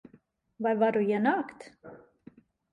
Vai varu ienākt?